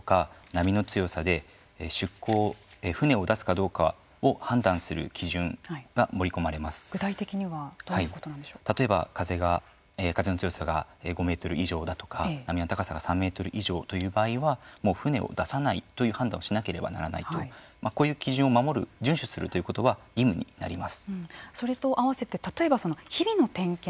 波の強さで出航、船を出すかどうかを判断する具体的には例えば風の強さが５メートル以上だとか波の高さが３メートル以上という場合はもう船を出さないという判断をしなければならないとこういう基準を守る順守するということはそれとあわせて例えば、日々の点検